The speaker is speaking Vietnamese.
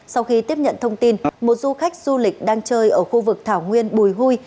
sau khi tiếp nhận thông tin một du khách du lịch đang chơi ở khu vực thảo nguyên bùi huy